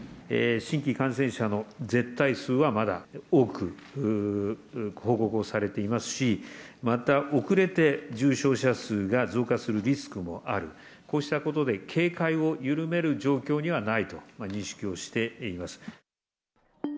新規感染者の絶対数はまだ多く報告をされていますし、また遅れて重症者数が増加するリスクもある、こうしたことで警戒を緩める状況にはないと認識をしています。